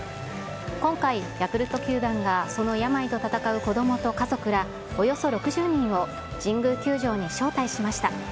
今回、ヤクルト球団がその病と闘う子どもと家族らおよそ６０人を神宮球場に招待しました。